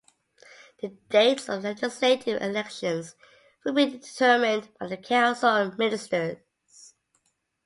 The dates of the legislative elections will be determined by the Council of Ministers.